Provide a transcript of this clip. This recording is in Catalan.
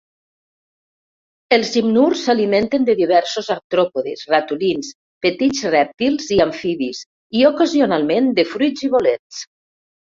Els gimnurs s'alimenten de diversos artròpodes, ratolins, petits rèptils i amfibis, i ocasionalment de fruits i bolets.